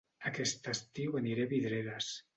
Aquest estiu aniré a Vidreres